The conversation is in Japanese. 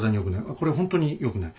これほんとによくない。